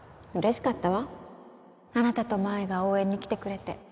嬉しかったわあなたと麻衣が応援に来てくれて